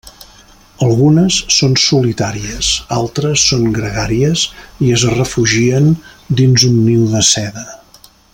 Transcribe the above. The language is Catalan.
Algunes són solitàries, altres són gregàries i es refugien dins un niu de seda.